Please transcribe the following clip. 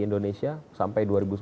indonesia sampai dua ribu sembilan belas